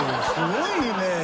すごいね。